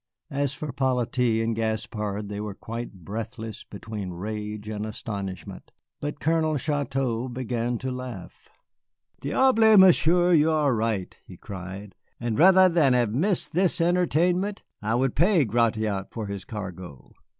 As for 'Polyte and Gaspard, they were quite breathless between rage and astonishment. But Colonel Chouteau began to laugh. "Diable, Monsieur, you are right," he cried, "and rather than have missed this entertainment I would pay Gratiot for his cargo."